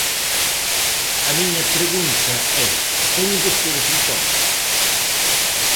A miña pregunta é: ¿teñen vostedes un tope?